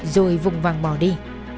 rồi vụng vàng bỏ đi